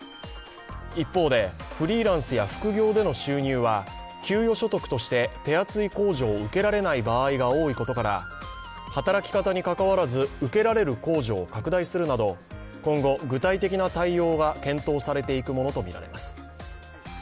一方で、フリーランスや副業での収入は給与所得として手厚い控除を受けられない場合が多いことから、働き方にかかわらず受けられる控除を拡大するなど、今後、具体的な対応が検討されていくものとみられます。